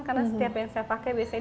karena setiap yang saya pakai biasanya